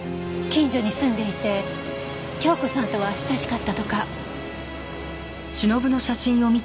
近所に住んでいて京子さんとは親しかったとか。